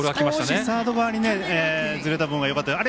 少しサード側にずれていた分よかったですね。